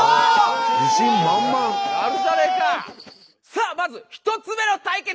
さあまず１つ目の対決。